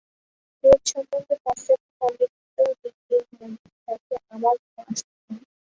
বেদ সম্বন্ধে পাশ্চাত্য পণ্ডিতদিগের মতে আমার কোন আস্থা নাই।